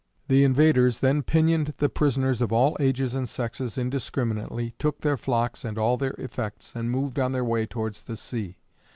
The invaders then pinioned the prisoners of all ages and sexes indiscriminately, took their flocks and all their effects, and moved on their way towards the sea.